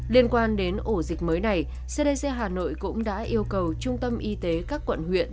liên quan đến ổ dịch mới này cdc hà nội cũng đã yêu cầu trung tâm y tế các quận huyện